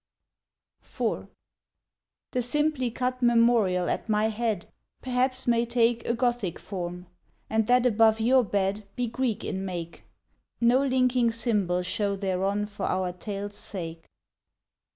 IV The simply cut memorial at my head Perhaps may take A Gothic form, and that above your bed Be Greek in make; No linking symbol show thereon for our tale's sake.